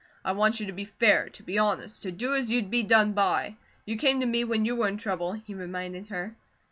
"I want you to be fair, to be honest, to do as you'd be done by. You came to me when you were in trouble," he reminded her.